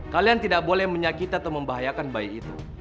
kalian tidak boleh menyakiti atau membahayakan bayi itu